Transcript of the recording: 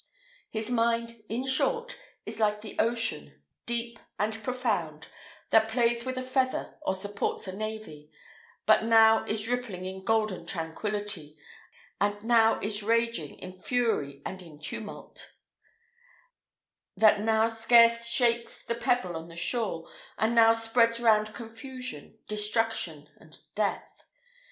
His mind, in short, is like the ocean, deep and profound; that plays with a feather, or supports a navy; that now is rippling in golden tranquillity, and now is raging in fury and in tumult; that now scarce shakes the pebble on the shore, and now spreads round confusion, destruction, and death.